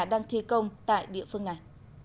đang thi công tại địa phương này